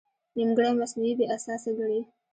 نیمګړی مصنوعي بې اساسه ګڼي.